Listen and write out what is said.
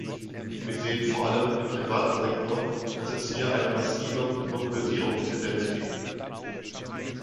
Wir sehen vor allem im privaten Sektor, dass es hier eine massive Monopolisierungstendenz gibt.